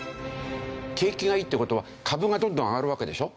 景気がいいって事は株がどんどん上がるわけでしょ？